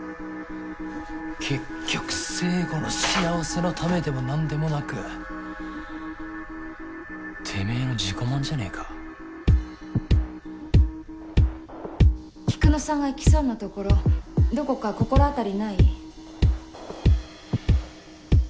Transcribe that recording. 結局成吾の幸せのためでも何でもなくてめえの自己満じゃねえか菊乃さんが行きそうなところどこか心当たりない？